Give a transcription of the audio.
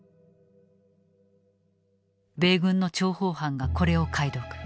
米軍の諜報班がこれを解読。